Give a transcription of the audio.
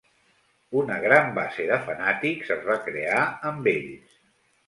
Una gran base de fanàtics es va crear amb ells.